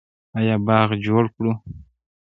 آیا باغ جوړ کړو؟